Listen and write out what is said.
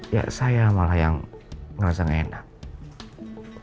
ya saya malah yang ngerasa gak enak